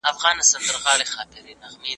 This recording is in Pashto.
زه به سبا بازار ته ځم وم!.